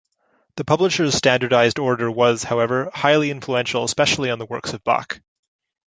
The publisher's standardized order was, however, highly influential especially on the works of Bach.